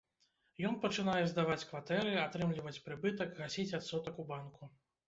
Ён пачынае здаваць кватэры, атрымліваць прыбытак, гасіць адсотак у банку.